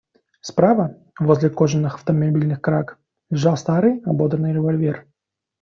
Справа, возле кожаных автомобильных краг, лежал старый, ободранный револьвер.